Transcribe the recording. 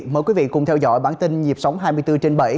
mời quý vị cùng theo dõi bản tin dịp sóng hai mươi bốn trên bảy